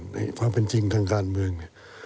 ในความจริงทางการเมือง